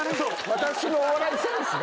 私のお笑いセンスが。